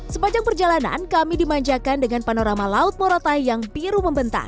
sepanjang perjalanan kami dimanjakan dengan panorama laut moratai yang biru membentang